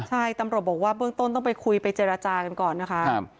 ใช่ตำรวจบอกว่าเบื้องต้นต้องไปคุยไปเจรจากันก่อนนะคะ